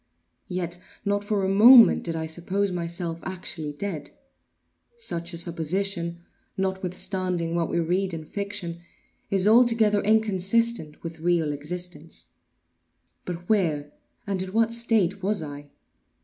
Yet not for a moment did I suppose myself actually dead. Such a supposition, notwithstanding what we read in fiction, is altogether inconsistent with real existence;—but where and in what state was I?